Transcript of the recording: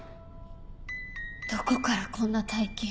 どこからこんな大金。